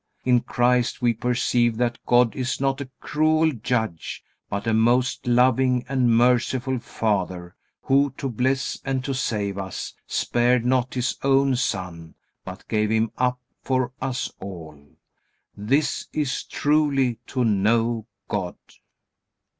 In Christ we perceive that God is not a cruel judge, but a most loving and merciful Father who to bless and to save us "spared not his own Son, but gave him up for us all." This is truly to know God.